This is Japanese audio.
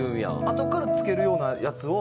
あとから付けるようなやつを。